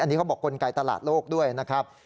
อันนี้เขาบอกกลไกตลาดโลกด้วยนะครับ